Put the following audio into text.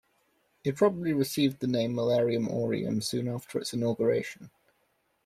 It probably received the name "Milliarium Aureum" soon after its inauguration.